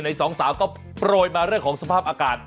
สองสาวก็โปรยมาเรื่องของสภาพอากาศ